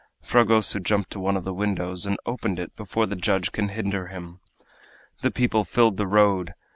Fragoso jumped to one of the windows, and opened it before the judge could hinder him. The people filled the road.